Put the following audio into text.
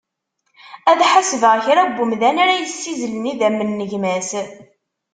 Ad ḥasbeɣ kra n umdan ara yessizzlen idammen n gma-s.